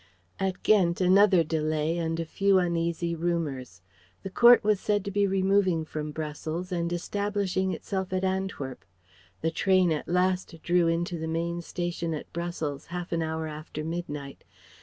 At Ghent another delay and a few uneasy rumours. The Court was said to be removing from Brussels and establishing itself at Antwerp. The train at last drew into the main station at Brussels half an hour after midnight.